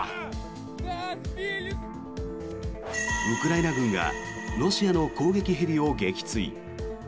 ウクライナ軍がロシアの攻撃ヘリを撃墜。